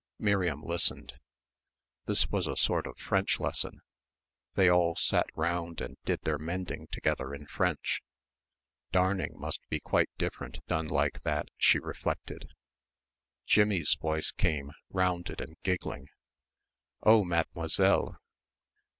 Miriam listened. This was a sort of French lesson. They all sat round and did their mending together in French darning must be quite different done like that, she reflected. Jimmie's voice came, rounded and giggling, "Oh, Mademoiselle!